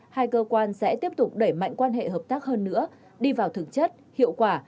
hai cơ quan sẽ tiếp tục đẩy mạnh quan hệ hợp tác hơn nữa đi vào thực chất hiệu quả